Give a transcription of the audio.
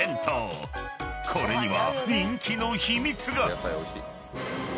［これには］